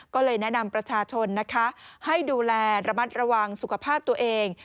ก็เลยแนะนำประชาชนนะคะให้ดูแลระมัดระวังสุขภาพตัวเอง